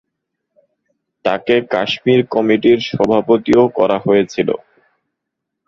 তাঁকে কাশ্মীর কমিটির সভাপতিও করা হয়েছিল।